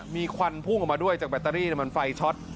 มีควันพุ่งออกมาด้วยจากแบตเตอรี่มันไฟช็อต